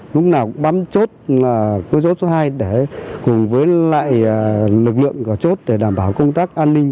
lúc nào cũng bám chốt với chốt số hai cùng với lực lượng có chốt để đảm bảo công tác an ninh